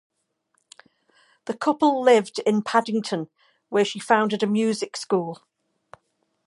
The couple lived in Paddington, where she founded a music school.